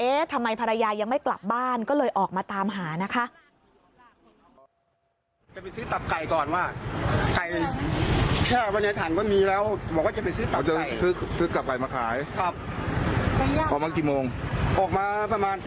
ทำไมภรรยายังไม่กลับบ้านก็เลยออกมาตามหานะคะ